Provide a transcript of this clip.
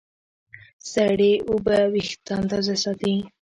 سړې اوبه وېښتيان تازه ساتي.